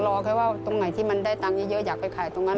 รอแค่ว่าตรงไหนที่มันได้ตังค์เยอะอยากไปขายตรงนั้น